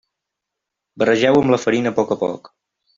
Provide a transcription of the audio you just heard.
Barregeu-ho amb la farina a poc a poc.